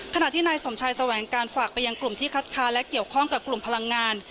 ขณะที่นายสมชายแสวงการฝากไปยังกลุ่มที่คัดค้านและเกี่ยวข้องกับกลุ่มพลังงาน